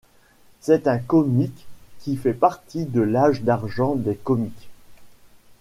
C'est un comic qui fait partie de l'Âge d'argent des comics.